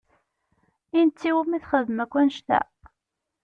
I netta i wumi txedmem akk annect-a?